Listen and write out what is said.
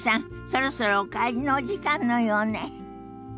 そろそろお帰りのお時間のようね。